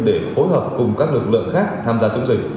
để phối hợp cùng các lực lượng khác tham gia chống dịch